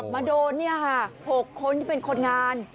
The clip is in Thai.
มาโดน๖คนที่เป็นคนงาน